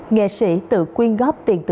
nghệ sĩ tự quyên góp tiền tử